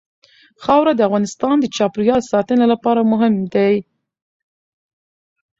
خاوره د افغانستان د چاپیریال ساتنې لپاره مهم دي.